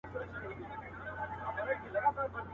ته پاچایې د ځنگلونو او د غرونو.